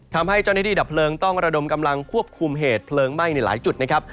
ทำให้เจ้าหน้าที่ดับเพลิงต้องระดมกำลังควบคุมเหตุเพลิงไหม้ในหลายจุดนะครับ